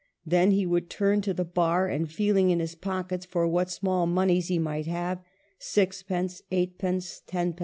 " Then he would turn to the bar, and feeling in his pockets for what small moneys he might have — sixpence, eightpence, tenpence, i Mrs. Gaskell.